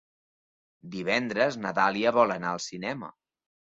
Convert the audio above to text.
Divendres na Dàlia vol anar al cinema.